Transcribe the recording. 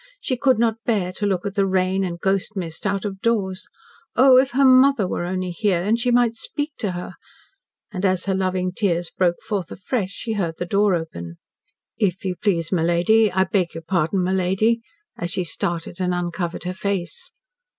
She could not bear to look at the rain and ghost mist out of doors. Oh, if her mother were only here, and she might speak to her! And as her loving tears broke forth afresh, she heard the door open. "If you please, my lady I beg your pardon, my lady," as she started and uncovered her face.